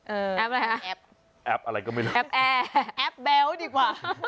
แอปอะไรแอปแอปอะไรก็ไม่รู้แอปแอร์แอปแบ๊วดีกว่า